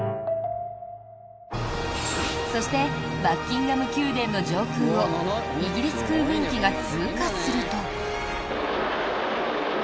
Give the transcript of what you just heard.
そしてバッキンガム宮殿の上空をイギリス空軍機が通過すると。